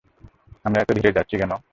আমরা এতো ধীরে যাচ্ছি কেন?